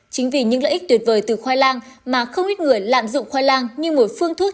chính vì những lợi ích tuyệt vời từ khoai lang mà không ít người lạm dụng khoai lang như một phương thuốc